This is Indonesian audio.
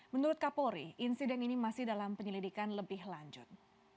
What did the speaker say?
menurut kapolri insiden ini masih dalam penyelidikan lebih lanjut